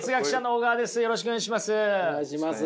よろしくお願いします。